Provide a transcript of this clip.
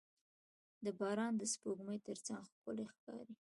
• باران د سپوږمۍ تر څنګ ښکلی ښکاري.